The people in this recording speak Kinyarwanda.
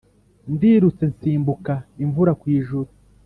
ndirutse nsimbuka imvura kw’ijuru,